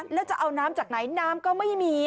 แล้วจะเอาน้ำจากไหนน้ำก็ไม่มี